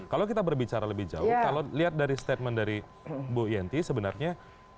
kalau kita berbicara lebih jauh kalau lihat dari statement dari bu yenti sebenarnya